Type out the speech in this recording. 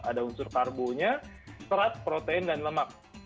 ada unsur karbonya serat protein dan lemak